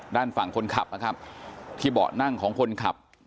ด้านฝั่งคนขับนะครับที่เบาะนั่งของคนขับ